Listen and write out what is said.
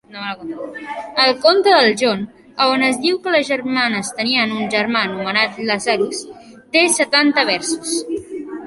El conte d'en John, a on es diu que les germanes tenien un germà anomenat Lazarus, té setanta versos.